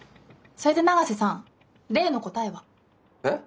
それで永瀬さん例の答えは？えっ？